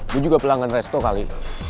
gue juga pelanggan resto kali